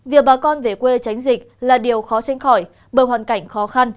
việc bà con về quê tránh dịch là điều khó tránh khỏi bởi hoàn cảnh khó khăn